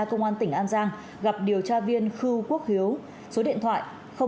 công an tỉnh an giang gặp điều tra viên khu quốc hiếu số điện thoại chín trăm linh chín năm mươi ba trăm ba mươi ba